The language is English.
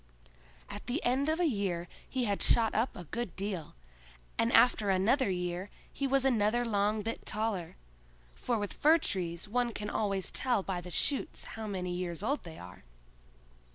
At the end of a year he had shot up a good deal, and after another year he was another long bit taller; for with fir trees one can always tell by the shoots how many years old they are.